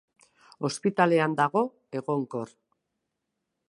Ospitalean dago, egonkor.